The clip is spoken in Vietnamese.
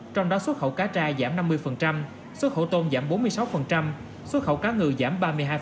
trong đó xuất khẩu cá tra giảm năm mươi xuất khẩu tôm giảm bốn mươi sáu xuất khẩu cá ngừ giảm ba mươi hai